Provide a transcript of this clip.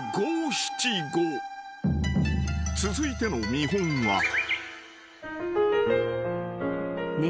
［続いての見本は］